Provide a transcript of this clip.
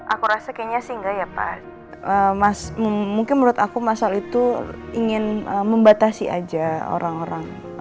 aku rasa kayaknya sih enggak ya pak mungkin menurut aku mas al itu ingin membatasi aja orang orang lain aja di dalam rumah